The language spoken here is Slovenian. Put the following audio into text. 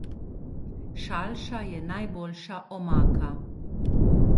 Šalša je najboljša omaka.